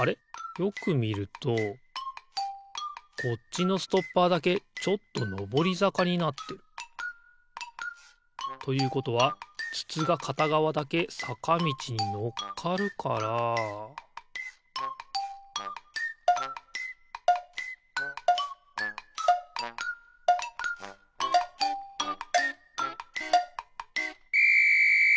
よくみるとこっちのストッパーだけちょっとのぼりざかになってる。ということはつつがかたがわだけさかみちにのっかるからピッ！